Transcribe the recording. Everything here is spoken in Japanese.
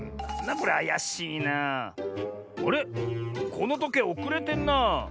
このとけいおくれてんなあ。